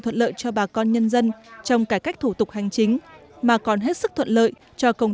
thuận lợi cho bà con nhân dân trong cải cách thủ tục hành chính mà còn hết sức thuận lợi cho công